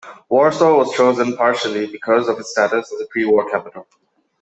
Warsaw was chosen, partially, because of its status as a pre-war capital.